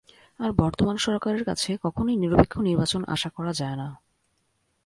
আর বর্তমান সরকারের কাছে কখনোই নিরপেক্ষ নির্বাচন আশা করা যায় না।